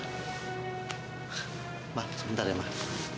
amar sebentar ya amar